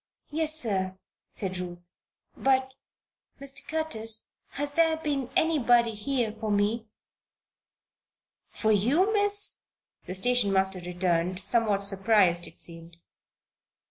"Yes, sir," said Ruth. "But " "Mr. Curtis, has there been anybody here for me?" "For you, Miss?" the station master returned, somewhat surprised it seemed.